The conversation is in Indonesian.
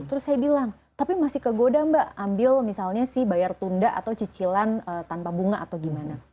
terus saya bilang tapi masih ke goda mbak ambil misalnya si bayar tunda atau cicilan tanpa bunga atau gimana